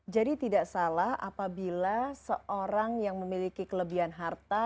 jadi tidak salah apabila seorang yang memiliki kelebihan harta